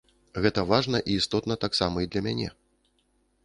Гэта важна і істотна таксама і для мяне.